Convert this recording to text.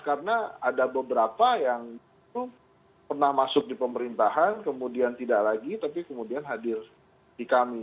karena ada beberapa yang itu pernah masuk di pemerintahan kemudian tidak lagi tapi kemudian hadir di kami